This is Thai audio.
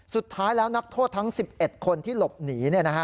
สุดท้ายแล้วนักโทษทั้ง๑๑คนที่หลบหนี